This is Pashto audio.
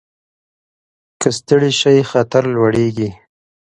که ستړي شئ خطر لوړېږي.